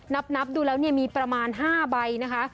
นับดูแล้วมีประมาณ๕ใบนะคะ